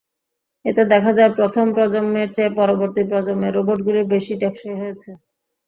এতে দেখা যায় প্রথম প্রজন্মের চেয়ে পরবর্তী প্রজন্মের রোবটগুলো বেশি টেকসই হয়েছে।